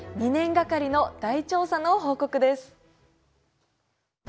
２年掛かりの大調査の報告です。